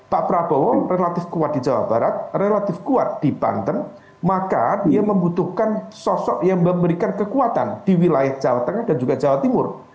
pak prabowo relatif kuat di jawa barat relatif kuat di banten maka dia membutuhkan sosok yang memberikan kekuatan di wilayah jawa tengah dan juga jawa timur